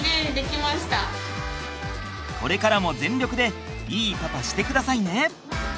これからも全力でいいパパしてくださいね！